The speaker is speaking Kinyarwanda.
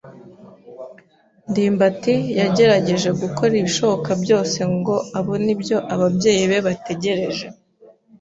ndimbati yagerageje gukora ibishoboka byose ngo abone ibyo ababyeyi be bategereje.